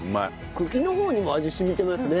茎の方にも味染みてますね。